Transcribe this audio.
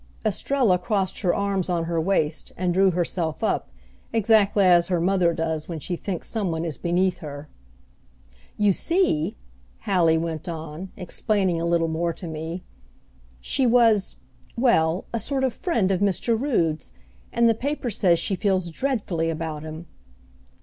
Estrella crossed her arms on her waist, and drew herself up, exactly as her mother does when she thinks some one is beneath her. "You see," Hallie went on, explaining a little more to me, "she was well, a sort of friend of Mr. Rood's, and the paper says she feels dreadfully about him!"